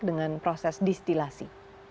dengan proses distilasi